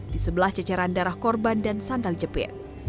di sebelah ceceran darah korban dan sandal jepit